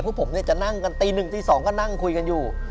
เพราะผมเนี่ยจะนั่งกันตีหนึ่งตีสองก็นั่งคุยกันอยู่